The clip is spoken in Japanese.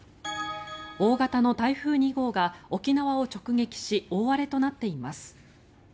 大型の台風２号が沖縄を直撃し大荒れとなっています。